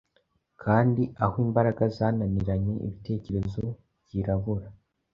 kandi, aho imbaraga zananiranye, ibitekerezo byirabura